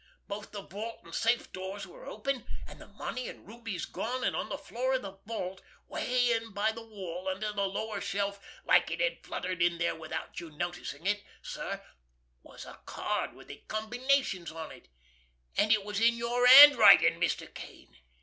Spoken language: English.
Both the vault and safe doors were open, and the money and rubies gone, and on the floor of the vault, way in by the wall under the lower shelf, like it had fluttered in there without you noticing it, sir, was a card with the combinations on it, and it was in your handwriting, Mr. Kane, sir.